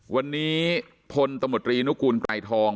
วันนี้พลตมตรีนุกูลไกรทอง